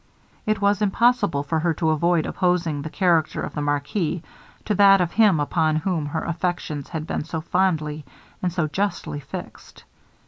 It was impossible for her to avoid opposing the character of the marquis to that of him upon whom her affections had been so fondly and so justly fixed.